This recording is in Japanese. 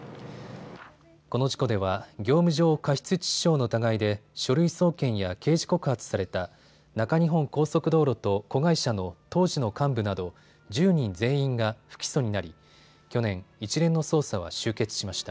この事故では業務上過失致死傷の疑いで書類送検や刑事告発された中日本高速道路と子会社の当時の幹部など１０人全員が不起訴になり、去年、一連の捜査は終結しました。